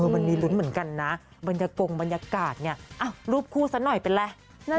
มันมีลุ้นเหมือนกันนะบรรยากาศกงบรรยากาศเนี่ยรูปคู่ซะหน่อยเป็นอะไร